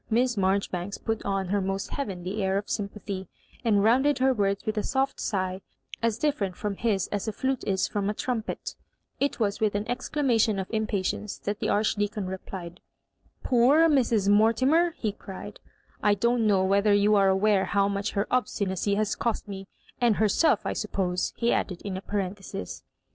Miss Marjoribanks put on her most heavenly air of sympathy, and rounded her words with ft soft sigh, as different from his as a flute is from a trumpet It was with an ex clamation of impatience that the Archdeacon replied — ''Poor Mrs. Mortimer I" he cried; "I don't know whether ^ou are aware how much her obstinacy has cost me ; and herself I suppose,'* he added, m a parenthesis.